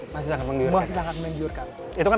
masih sangat mengyurkan